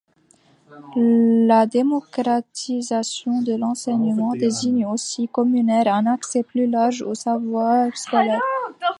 La démocratisation de l'enseignement désigne aussi, communément, un accès plus large aux savoirs scolaires.